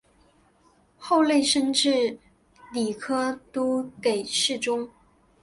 后累升至礼科都给事中。